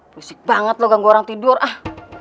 pusik banget lo ganggu orang tidur ah